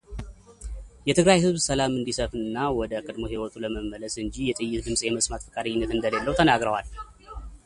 የትግራይ ሕዝብ ሰላም እንዲሰፋና ወደ ቀድሞ ሕይወቱ ለመመለስ እንጂ የጥይት ድምጽ የመስማት ፍቃደኝነት እንደሌለው ተናግረዋል።